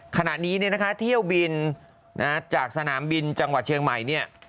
ขณะนี้เที่ยวบินจากสนามบินจังหวัดเชียงใหม่